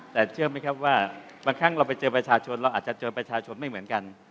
แต่เชื่อไหมครับว่าบางครั้งเราไปเจอประชาชนเราอาจจะเจอประชาชนไม่เหมือนกัน